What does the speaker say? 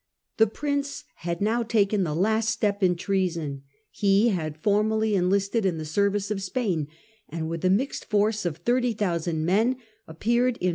The Prince had now taken the last step in treason. He had formally enlisted in the service of Spain, and Condos with a mixed force of 30,000 men appeared in invasion.